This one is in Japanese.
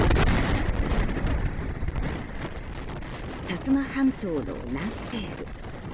薩摩半島の南西部。